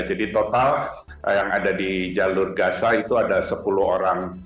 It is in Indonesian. jadi total yang ada di jalur gaza itu ada sepuluh orang